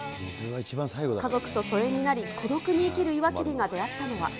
家族と疎遠になり、孤独に生きる岩切が出会ったのは。